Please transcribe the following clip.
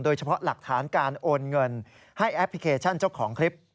หลักฐานการโอนเงินให้แอปพลิเคชันเจ้าของคลิป